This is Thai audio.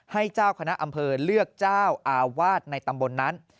ให้เจ้าคณะอำเภอเลือกเจ้าอาวาสในตำบลนั้น